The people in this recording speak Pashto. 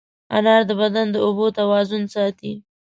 انار د بدن د اوبو توازن ساتي.